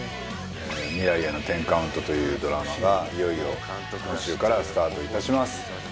『未来への１０カウント』というドラマがいよいよ今週からスタートいたします。